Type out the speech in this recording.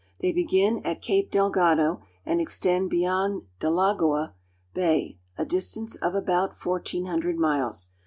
They begin at Cape Delgado (del ga'd5) and extend beyond Delagoa (del a go'a) Bay, a distance of about fourteen hundred miles.